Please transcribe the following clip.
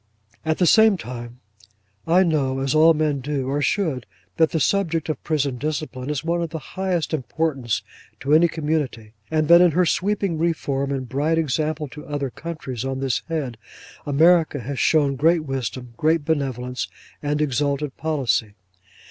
At the same time I know, as all men do or should, that the subject of Prison Discipline is one of the highest importance to any community; and that in her sweeping reform and bright example to other countries on this head, America has shown great wisdom, great benevolence, and exalted policy.